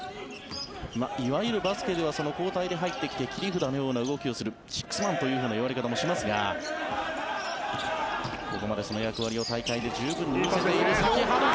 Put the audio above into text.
いわゆるバスケでは交代で入ってきて切り札のような動きをするシックスマンという言われ方もしますがここまでその役割を大会で十分に果たしている崎濱！